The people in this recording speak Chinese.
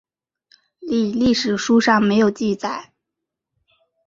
李历史书上没有记载。